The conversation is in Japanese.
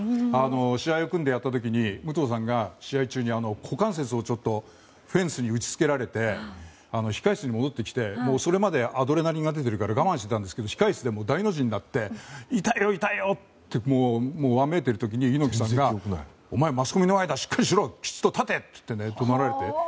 試合を組んでやった時に武藤さんが試合中に股関節をフェンスに打ち付けられて控室に戻ってきて、それまではアドレナリンが出てるから我慢してたんですけど控室で大の字になって痛いよ痛いよってもう、わめいている時に猪木さんが、お前マスコミの前だしっかりしろ、きちっと立てと。